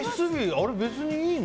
あれ別にいいの？